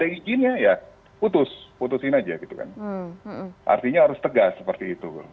artinya harus tegas seperti itu